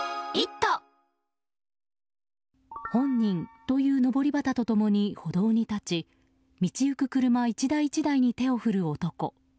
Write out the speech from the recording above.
本人というのぼり旗と共に歩道に立ち道行く車１台１台に手を振る男。